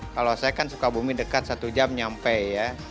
kalau saya kan sukabumi dekat satu jam nyampe ya